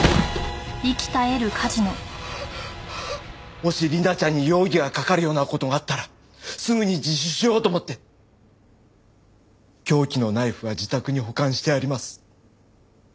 もし理奈ちゃんに容疑がかかるような事があったらすぐに自首しようと思って凶器のナイフは自宅に保管してあります。